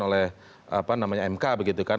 oleh apa namanya mk begitu kan